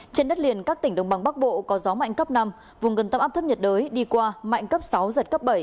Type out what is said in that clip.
trên đất liền các tỉnh đồng bằng bắc bộ có gió mạnh cấp năm vùng gần tâm áp thấp nhiệt đới đi qua mạnh cấp sáu giật cấp bảy